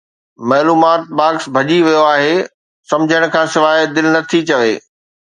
معلومات باڪس ڀڄي ويو آهي! سمجھڻ کان سواءِ دل نٿي چوي